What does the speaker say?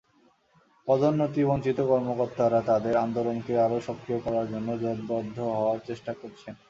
পদোন্নতিবঞ্চিত কর্মকর্তারা তাঁদের আন্দোলনকে আরও সক্রিয় করার জন্য জোটবদ্ধ হওয়ার চেষ্টা করছেন।